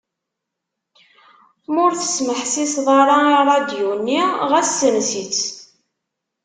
Ma ur tesmeḥsiseḍ ara i rradyu-nni, ɣas ssens-itt.